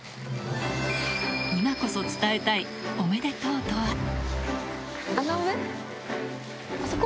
今こそ伝えたい、おめでとうあの上？